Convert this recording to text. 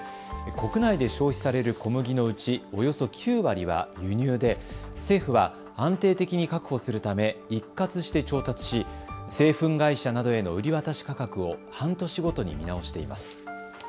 国内で消費される小麦のうちおよそ９割は輸入で政府は安定的に確保するため一括して調達し製粉会社などへの売り渡し価格を半年ごとに見直しています。